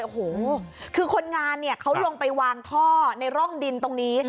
โอ้โหคือคนงานเนี่ยเขาลงไปวางท่อในร่องดินตรงนี้